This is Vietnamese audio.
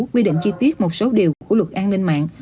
quy định chi tiết một số điều của luật an ninh mạng